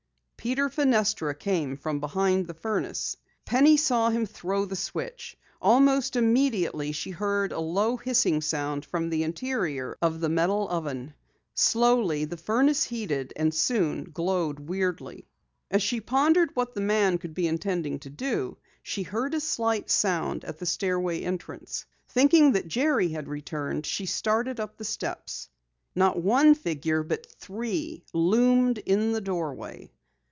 Peter Fenestra came from behind the furnace. Penny saw him throw the switch. Almost immediately she heard a low hissing sound from the interior of the metal oven. Slowly the furnace heated, and soon glowed weirdly. As she pondered what the man could be intending to do, she heard a slight sound at the stairway entrance. Thinking that Jerry had returned, she started up the steps. Not one figure but three loomed in the doorway!